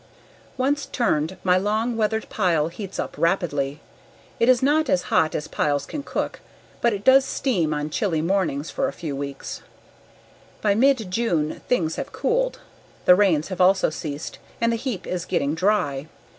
Once turned, my long weathered pile heats up rapidly. It is not as hot as piles can cook, but it does steam on chilly mornings for a few weeks. By mid June things have cooled. The rains have also ceased and the heap is getting dry.